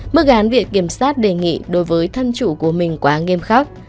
mức án việc kiểm soát đề nghị đối với thân chủ của mình quá nghiêm khắc